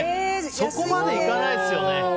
そこまでいかないっすよね。